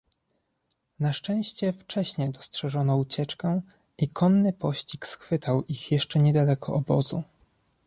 Na szczęście wcześnie dostrzeżono ucieczkę i konny pościg schwytał ich jeszcze nie daleko obozu.